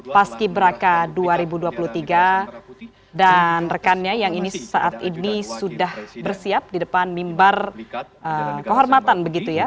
paski braka dua ribu dua puluh tiga dan rekannya yang ini saat ini sudah bersiap di depan mimbar kehormatan begitu ya